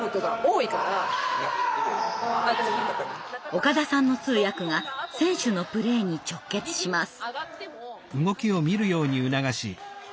岡田さんの通訳が選手のプレーに直結します。